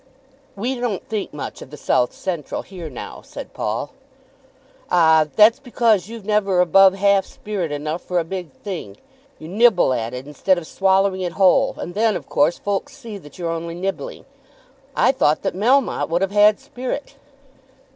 "We don't think much of the South Central here now," said Paul. "Ah; that's because you've never above half spirit enough for a big thing. You nibble at it instead of swallowing it whole, and then, of course, folks see that you're only nibbling. I thought that Melmotte would have had spirit."